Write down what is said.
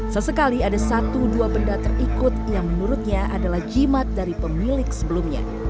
sesekali ada satu dua benda terikut yang menurutnya adalah jimat dari pemilik sebelumnya